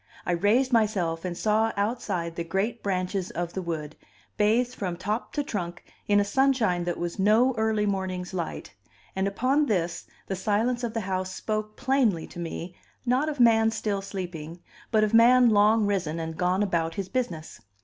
I raised myself and saw outside the great branches of the wood, bathed from top to trunk in a sunshine that was no early morning's light; and upon this, the silence of the house spoke plainly to me not of man still sleeping, but of man long risen and gone about his business.